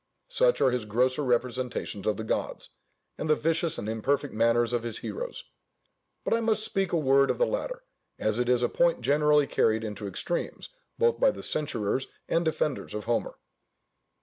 Such are his grosser representations of the gods; and the vicious and imperfect manners of his heroes; but I must here speak a word of the latter, as it is a point generally carried into extremes, both by the censurers and defenders of Homer.